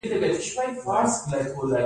شغنان خلک ولې پوهه خوښوي؟